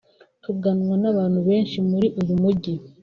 tuganwa n’abantu benshi muri uyu Mujyi